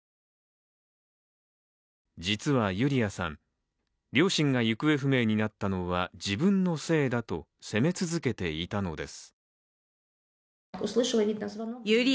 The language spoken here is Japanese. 実はユリアさん、両親が行方不明になったのは自分のせいだと責め続けていたのです。